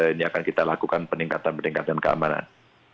ini akan kita lakukan peningkatan peningkatan keamanan